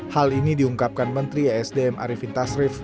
hal ini diungkapkan menteri esdm arifin tasrif